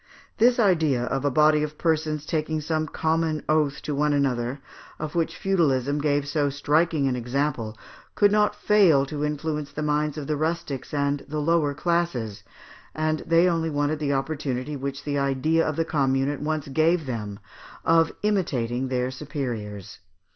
This idea of a body of persons taking some common oath to one another, of which feudalism gave so striking an example, could not fail to influence the minds of the rustics and the lower classes, and they only wanted the opportunity which the idea of the Commune at once gave them of imitating their superiors.